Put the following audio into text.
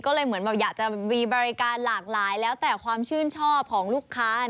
ก็เลยเหมือนแบบอยากจะมีบริการหลากหลายแล้วแต่ความชื่นชอบของลูกค้า